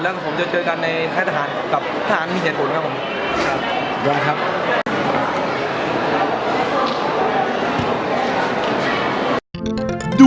แล้วผมจะเจอกันในค่ายทหารกับทหารมีเหตุผลครับผมครับ